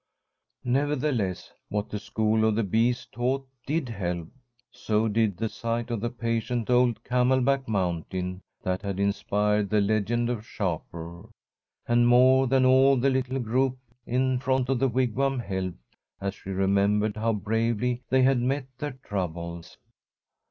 Nevertheless, what the School of the Bees taught did help. So did the sight of the patient old Camelback Mountain, that had inspired the legend of Shapur. And more than all the little group in front of the Wigwam helped, as she remembered how bravely they had met their troubles.